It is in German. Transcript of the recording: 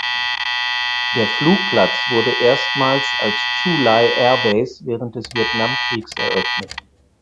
Der Flugplatz wurde erstmals als "Chu Lai Air Base" während des Vietnamkriegs eröffnet.